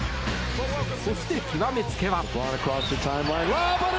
そして極めつけは。